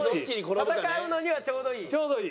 戦うのにはちょうどいい？